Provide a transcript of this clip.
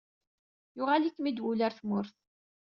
Yuɣal-ikem-id wul ɣer tmurt.